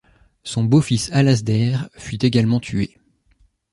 Son beau-fils Alasdair fut également tué.